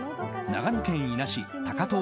長野県伊那市高遠